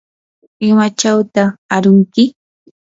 ¿imachawtaq arunki?